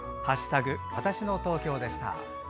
「＃わたしの東京」でした。